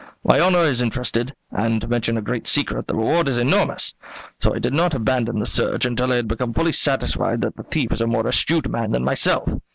My honour is interested, and, to mention a great secret, the reward is enormous. So I did not abandon the search until I had become fully satisfied that the thief is a more astute man than myself.